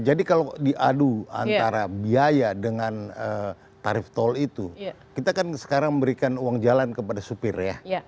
jadi kalau diadu antara biaya dengan tarif tol itu kita kan sekarang memberikan uang jalan kepada supir ya